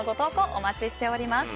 お待ちしております。